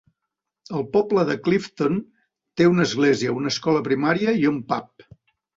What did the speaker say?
El poble de Clifton té una església, una escola primària i un pub.